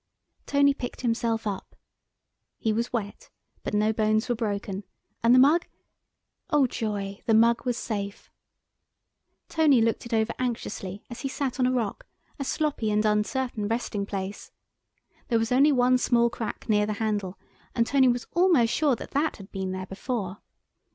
Tony picked himself up. He was wet, but no bones were broken, and the mug—oh, joy! the mug was safe. Tony looked it over anxiously as he sat on a rock, a sloppy and uncertain resting place. There was only one small crack near the handle, and Tony was almost sure that that had been there before.